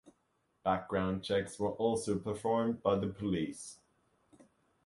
Background checks were also performed by the police.